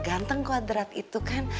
ganteng kwadrat itu kan